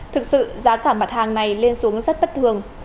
thực sự giá cả mặt hàng này lên xuống rất bất thường